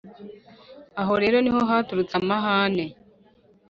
Aho rero ni ho haturutse amahame